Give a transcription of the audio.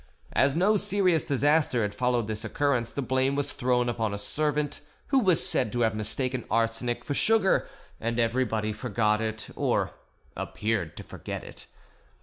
As no serious disaster had followed this occurrence, the blame was thrown upon a servant, who was said to have mistaken arsenic for sugar, and everybody forgot it, or appeared to forget it.